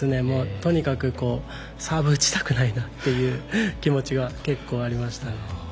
とにかくこうサーブ打ちたくないなっていう気持ちは結構ありましたね。